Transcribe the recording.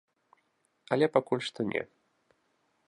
Але пакуль што не.